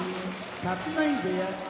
立浪部屋